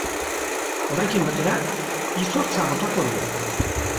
Horrekin batera, izotza botako du.